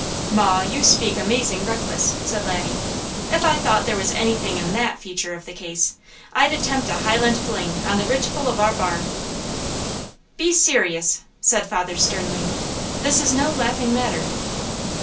"Maw, you speak amazing reckless," said Laddie, "if I thought there was anything in THAT feature of the case, I'd attempt a Highland fling on the ridgepole of our barn." "Be serious!" said father sternly. "This is no laughing matter."